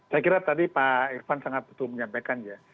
saya kira tadi pak irvan sangat betul menyampaikan ya